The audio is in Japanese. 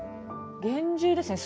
厳重ですね。